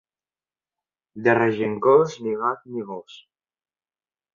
De Regencós, ni gat ni gos.